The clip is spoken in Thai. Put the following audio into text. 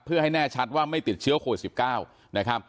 เพื่อให้แน่ชัดว่าไม่ติดเชื้อโควิด๑๙นะครับ